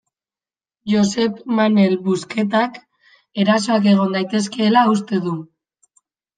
Josep Manel Busquetak erasoak egon daitezkeela uste du.